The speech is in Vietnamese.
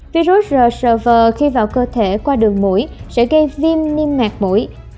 virus rsvn khi vào cơ thể qua đường mũi sẽ gây viêm niêm mạc mũi